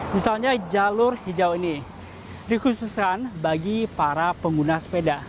misalnya jalur hijau ini dikhususkan bagi para pengguna sepeda